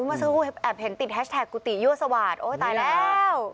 เมื่อสักครู่แอบเห็นติดแฮชแท็กกุฏิยั่วสวาสโอ้ยตายแล้ว